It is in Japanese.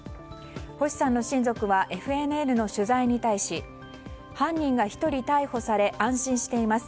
星さんの親族はＦＮＮの取材に対し犯人が１人逮捕され安心しています。